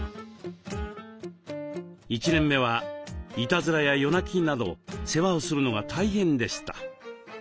１年目はいたずらや夜なきなど世話をするのが大変でした。